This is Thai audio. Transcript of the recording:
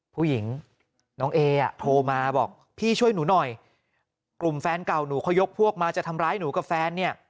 ผู้หญิงน้องเออ่ะโทรมาบอกพี่ช่วยหนูหน่อยกลุ่มแฟนเก่าหนูเขายกพวกมาจะทำร้ายหนูกับแฟนเนี่ย